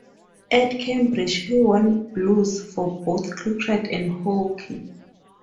At Cambridge he won Blues for both cricket and hockey.